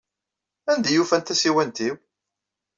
Anda ay ufant tasiwant-inu?